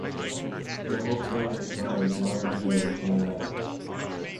The whole thing has brought a lot of joy into my life.